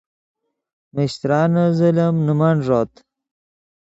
میشترانے ظلم نے من ݱوت